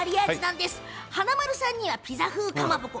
華丸さんにはピザ風かまぼこ。